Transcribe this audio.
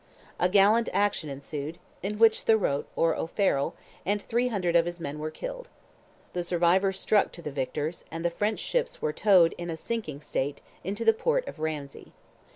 A gallant action ensued, in which Thurot, or O'Farrell, and three hundred of his men were killed. The survivors struck to the victors, and the French ships were towed in a sinking state, into the port of Ramsey.